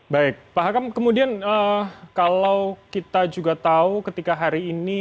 baik pak hakam kemudian kalau kita juga tahu ketika hari ini